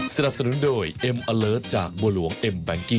โปรดติดตามตอนต่อไป